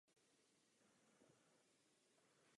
Jeho potrava je zastoupena především živočišnou složkou.